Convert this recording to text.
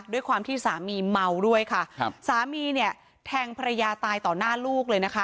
ด้วยความที่สามีเมาด้วยค่ะครับสามีเนี่ยแทงภรรยาตายต่อหน้าลูกเลยนะคะ